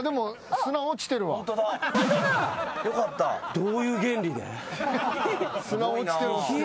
砂落ちてる。